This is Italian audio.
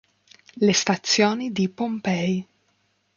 Le stazioni di Pompei